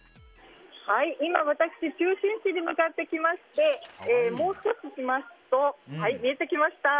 今、私は中心地に向かっていてもうちょっとしますと見えてきました。